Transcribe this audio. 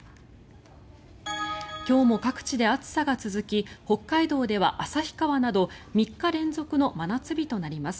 今日も各地で暑さが続き北海道では旭川など３日連続の真夏日となります。